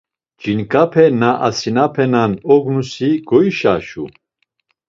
Ç̌inǩape na asinapenan ognusi goişaşu.